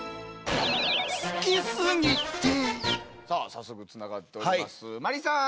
さあ早速つながっております